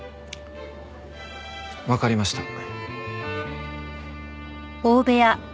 わかりました。